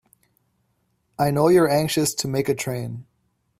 I know you're anxious to make a train.